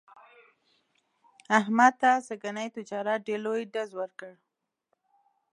احمد ته سږني تجارت ډېر لوی ډز ور کړ.